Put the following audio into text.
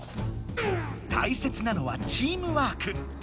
大切なのはチームワーク。